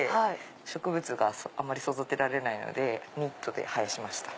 植物があまり育てられないのでニットで生やしました。